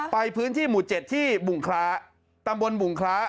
ไปพื้นที่หมู่๗ที่บุงคล้าตำบลบุงคละ